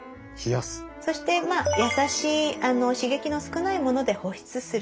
そして優しい刺激の少ないもので保湿するっていう。